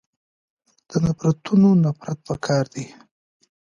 د نفرتونونه نفرت پکار دی.